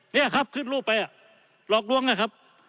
นี่ครับขึ้นรูปไปหลอกลวงนะครับ